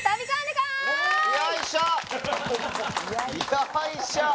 よいしょっ！